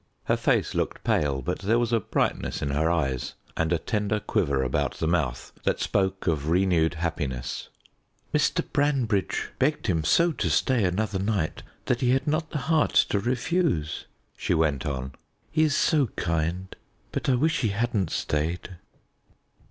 Her face looked pale, but there was a brightness in her eyes, and a tender quiver about the mouth that spoke of renewed happiness. "Mr. Branbridge begged him so to stay another night that he had not the heart to refuse," she went on. "He is so kind, but I wish he hadn't stayed."